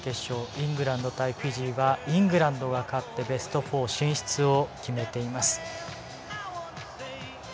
イングランド対フィジーはイングランドが勝ってベスト４進出を決めています。